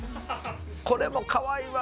これもかわいいわ！